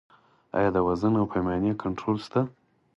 آیا د وزن او پیمانې کنټرول شته؟